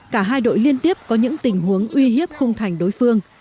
cả hai đội liên tiếp có những tình huống uy hiếp khung thành đối phương